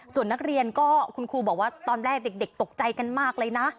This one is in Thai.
ส่วนนักเรียนก็คุณครูบอกว่าตอนแรกเด็กตกใจกันมากเลยนะ